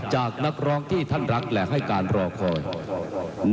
จากนักร้องที่ท่านรักแหล่งให้การทวงกิจวัน